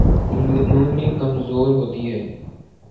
ن لیگ کمزور ہوتی ہے۔